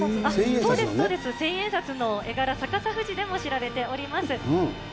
そうです、千円札の絵柄、逆さ富士でも知られております。